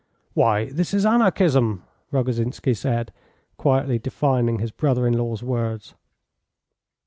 "Why, this is anarchism," Rogozhinsky said, quietly defining his brother in law's words.